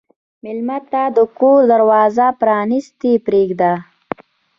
مېلمه ته د کور دروازه پرانستې پرېږده.